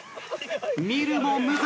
見るも無残！